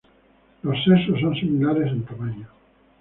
Los sexos son similares en tamaño.